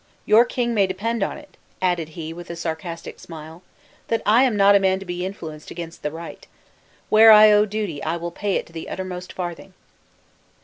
Your king may depend on it," added he, with a sarcastic smile, "that I am not a man to be influenced against the right. Where I owe duty I will pay it to the uttermost farthing."